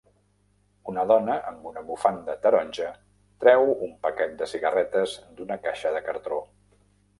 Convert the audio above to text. Una dona amb una bufanda taronja treu un paquet de cigarretes d'una caixa de cartró.